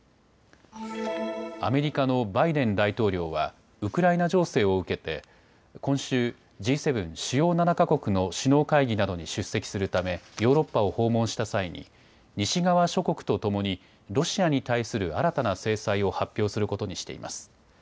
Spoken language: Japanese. アメリカのバイデン大統領はウクライナ情勢を受けて今週、Ｇ７・主要７か国の首脳会議などに出席するためヨーロッパを訪問した際に西側諸国とともにロシアに対する新たな制裁を発表することにしています。